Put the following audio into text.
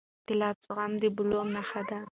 د اختلاف زغم د بلوغ نښه ده